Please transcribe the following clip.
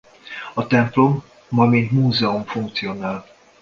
A templom ma mint múzeum funkcionál.